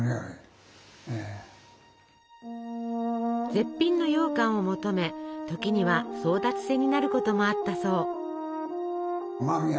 絶品のようかんを求め時には争奪戦になることもあったそう。